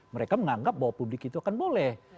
mereka menganggap bahwa publik itu akan boleh